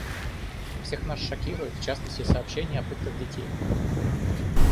Всех нас шокируют, в частности, сообщения о пытках детей.